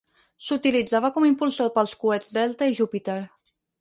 S'utilitzava com impulsor pels coets Delta i Júpiter.